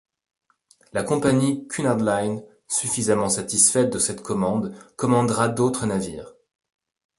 La compagnie Cunard Line, suffisamment satisfaite de cette commande commandera d'autres navires.